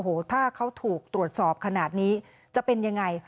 โอ้โหถ้าเขาถูกตรวจสอบขนาดนี้จะเป็นยังไง